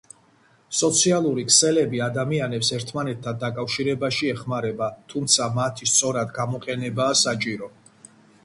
სოციალური ქსელები ადამიანებს ერთმანეთთან დაკავშირებაში ეხმარება, თუმცა მათი სწორად გამოყენებაა საჭირო.